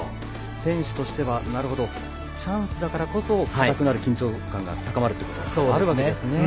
選手としてはチャンスだからこそ緊張感が高まるっていうのがあるわけですね。